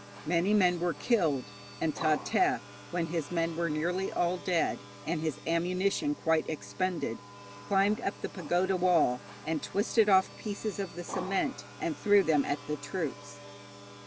Many men were killed, and Ta Te, when his men were nearly all dead, and his ammunition quite expended, climbed up the pagoda wall, and twisted off pieces of the cement and threw them at the troops.